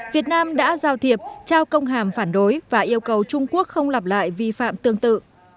việt nam đã giao thiệp trao công hàm phản đối và yêu cầu trung quốc không lặp lại vi phạm tương tự